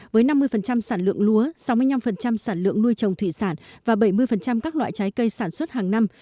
với năm mươi sản lượng lúa sáu mươi năm sản lượng nuôi trồng thủy sản và bảy mươi các loại trái cây sản xuất hàng năm